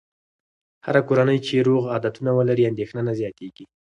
هره کورنۍ چې روغ عادتونه ولري، اندېښنه نه زیاتېږي.